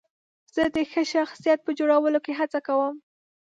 زه د ښه شخصیت په جوړولو کې هڅه کوم.